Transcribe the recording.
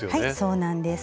そうなんです。